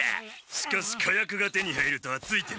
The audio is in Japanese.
しかし火薬が手に入るとはツイてるな。